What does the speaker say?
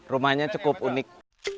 rumahnya cukup unik